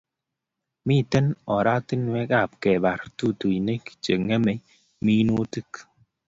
Mito oratinwek ab kebar tutuinik che ngemei minutik